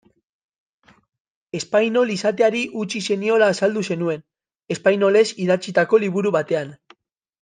Espainol izateari utzi zeniola azaldu zenuen, espainolez idatzitako liburu batean.